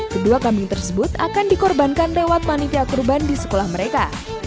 kedua kambing tersebut akan dikorbankan lewat panitia kurban di sekolah mereka